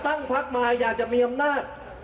ตั้งพักมาอยากจะมีอำนาจ